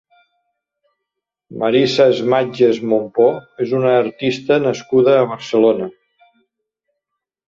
Marisa Esmatjes Mompó és una artista nascuda a Barcelona.